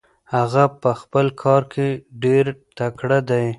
هغه په خپل کار کې ډېر تکړه دی.